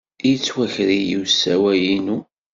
Yettwaker-iyi usawal-inu.